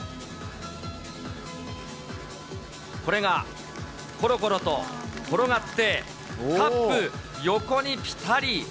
これがころころと転がって、カップ横にぴたり。